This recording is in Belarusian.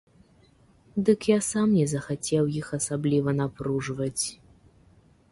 Дык я сам не захацеў іх асабліва напружваць.